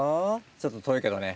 ちょっと遠いけどね。